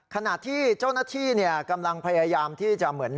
ขณะที่เจ้าหน้าที่กำลังพยายามที่จะเหมือน